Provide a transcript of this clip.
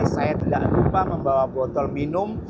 saya tidak lupa membawa botol minum